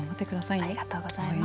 ありがとうございます。